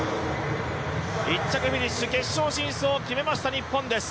１着フィニッシュ決勝進出を決めた日本です。